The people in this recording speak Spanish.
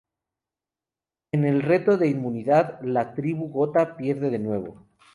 En el reto de inmunidad la tribu Gota pierde de nuevo.